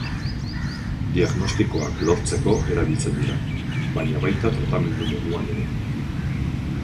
Diagnostikoak lortzeko erabiltzen dira, baina baita tratamendu moduan ere.